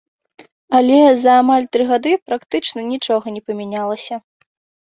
Але за амаль тры гады практычна нічога не памянялася.